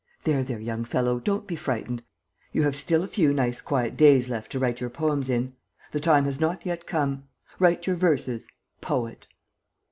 "There, there, young fellow, don't be frightened: you have still a few nice quiet days left to write your poems in. The time has not yet come. Write your verses ... poet!"